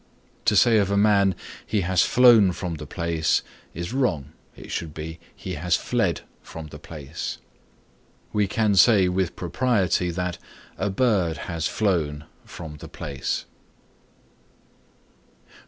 To say of a man "He has flown from the place" is wrong; it should be "He has fled from the place." We can say with propriety that "A bird has flown from the place."